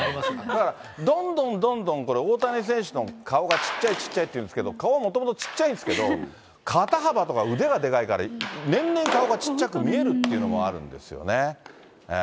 だから、どんどんどんどん大谷選手の顔がちっちゃい、ちっちゃいって言うんですけれども、顔はもともとちっちゃいんですけれども、肩幅とか腕がでかいから、年々顔がちっちゃく見えるっていうのもあるんですよね。